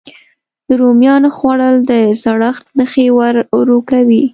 د رومیانو خووړل د زړښت نښې ورو کوي.